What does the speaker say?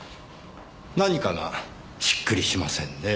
何かがしっくりしませんねぇ。